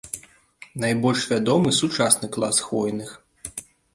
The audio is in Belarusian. Найбольш вядомы сучасны клас хвойных.